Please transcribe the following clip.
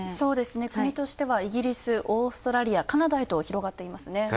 国としてはイギリス、カナダへと広がっていますね。